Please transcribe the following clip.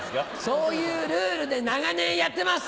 そういうルールで長年やってます！